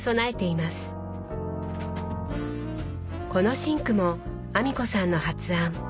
このシンクも阿美子さんの発案。